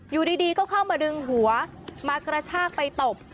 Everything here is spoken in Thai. อยู่ดีก็เข้ามาดึงหัวมากระชากไปตบ